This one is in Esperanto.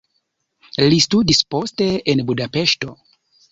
Li studis poste en Budapeŝto.